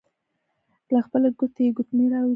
له خپلې ګوتې يې ګوتمۍ را وايسته.